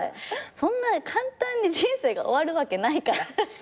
そんな簡単に人生が終わるわけないから。